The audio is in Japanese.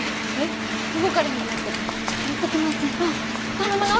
頼むな！